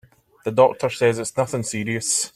The doctor says it's nothing serious.